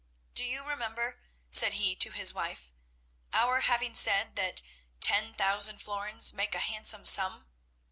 Do you remember," said he to his wife, "our having said that ten thousand florins make a handsome sum.